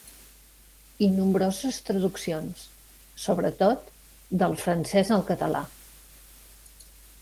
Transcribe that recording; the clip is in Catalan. I nombroses traduccions, sobretot del francès al català.